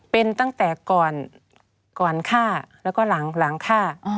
เป็นตั้งแต่ก่อนฆ่าแล้วก็หลังฆ่า